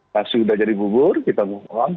kasih udah jadi gugur kita move on